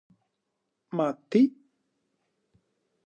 Μα τι;